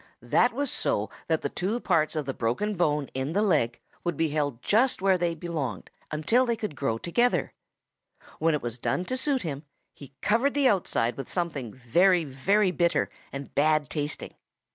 That was so that the two parts of the broken bone in the leg would be held just where they belonged until they could grow together. When it was done to suit him, he covered the outside with something very, very bitter and bad tasting.